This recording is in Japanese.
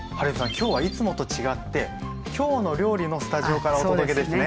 今日はいつもと違って「きょうの料理」のスタジオからお届けですね。